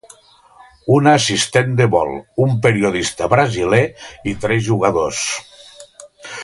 Una assistent de vol, un periodista brasiler i tres jugadors.